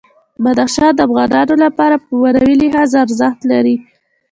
بدخشان د افغانانو لپاره په معنوي لحاظ ارزښت لري.